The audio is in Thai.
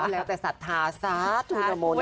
แล้วแต่สัตว์ธาษาทุนโมนโมน